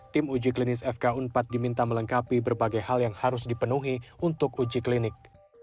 tim uji klinis fk unpad diminta melengkapi berbagai hal yang harus dipenuhi untuk uji klinik